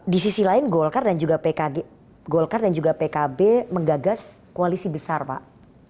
di sisi lain golkar dan golkar dan juga pkb menggagas koalisi besar pak